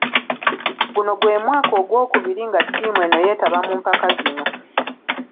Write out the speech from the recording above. Guno gwe mwaka ogokubiringa ttiimu eno yeetaba mu mpaka zino.